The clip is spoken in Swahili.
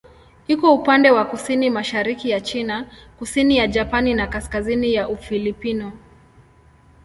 Iko upande wa kusini-mashariki ya China, kusini ya Japani na kaskazini ya Ufilipino.